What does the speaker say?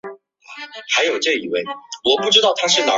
费尔德海斯是前水球运动员。